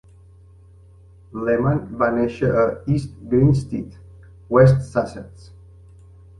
Leman va néixer a East Grinstead, West Sussex.